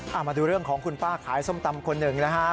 เอามาดูเรื่องของคุณป้าขายส้มตำคนหนึ่งนะฮะ